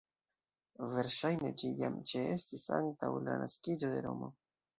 Verŝajne ĝi jam ĉeestis antaŭ la naskiĝo de Romo.